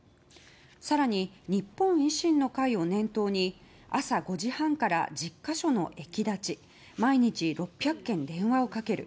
更に日本維新の会を念頭に朝５時半から１０か所の駅立ち毎日６００件、電話をかける。